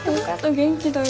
元気だよ。